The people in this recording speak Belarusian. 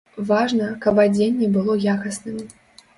Важна, каб адзенне было якасным.